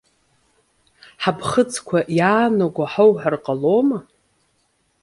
Ҳаԥхыӡқәа иаанаго ҳауҳәар ҟалома?